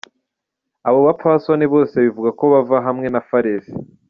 Abo bapfasoni bose bivugwa ko bava hamwe na Fares.